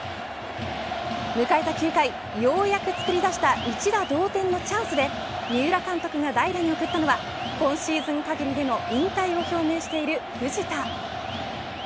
迎えた９回、ようやくつくり出した一打同点のチャンスで三浦監督が代打に送ったのは今シーズン限りでの引退を表明している藤田。